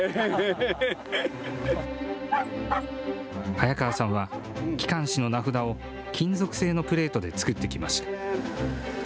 早川さんは、機関士の名札を金属製のプレートで作ってきました。